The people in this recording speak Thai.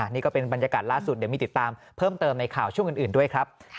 นี่ก็เป็นบรรยากาศล่าสุดเดี๋ยวมีติดตามเพิ่มเติมในข่าวช่วงอื่นด้วยครับ